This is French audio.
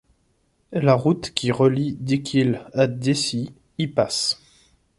La route qui relie Dikhil à Dessie y passe.